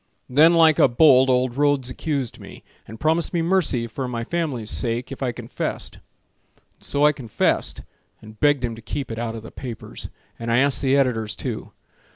Then like a bolt old Rhodes accused me, And promised me mercy for my family's sake If I confessed, and so I confessed, And begged him to keep it out of the papers, And I asked the editors, too.